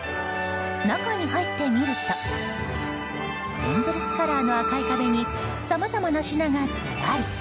中に入ってみるとエンゼルスカラーの赤い壁にさまざまな品がずらり。